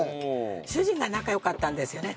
主人が仲良かったんですよね